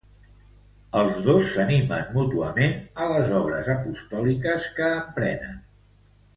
Els dos s'animen mútuament a les obres apostòliques que emprenen.